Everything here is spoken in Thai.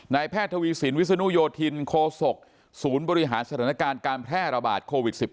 แพทย์ทวีสินวิศนุโยธินโคศกศูนย์บริหารสถานการณ์การแพร่ระบาดโควิด๑๙